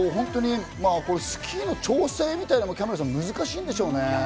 スキーの調整みたいなのも難しいんでしょうね。